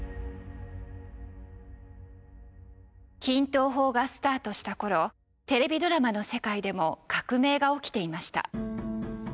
均等法がスタートした頃テレビドラマの世界でも革命が起きていました。